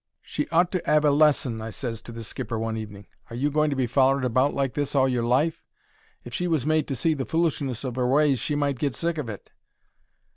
"She ought to 'ave a lesson," I ses to the skipper one evening. "Are you going to be follered about like this all your life? If she was made to see the foolishness of 'er ways she might get sick of it."